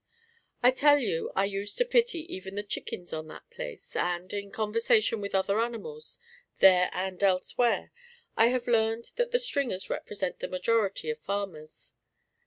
I tell you I used to pity even the chickens on that place, and, in conversation with other animals, there and elsewhere, I have found that the Stringers represent the majority of farmers.